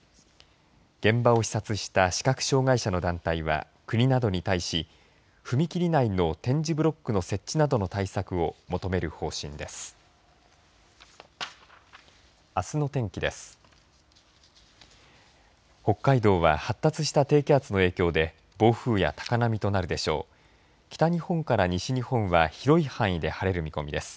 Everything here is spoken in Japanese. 現場を視察した視覚障害者の団体は国などに対し踏切内の点字ブロックの設置などの対策を求める方針です。